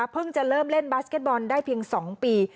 จะเริ่มเล่นบาสเก็ตบอลได้เพียง๒ปี